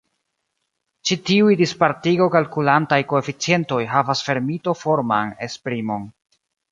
Ĉi tiuj dispartigo-kalkulantaj koeficientoj havas fermito-forman esprimon.